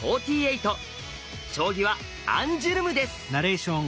将棋はアンジュルムです。